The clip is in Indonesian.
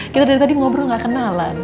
kita dari tadi ngobrol gak kenalan